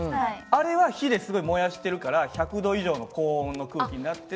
あれは火ですごい燃やしてるから１００℃以上の高温の空気になってて。